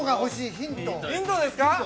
◆ヒントですか。